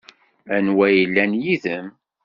Anwa ay yellan yid-m?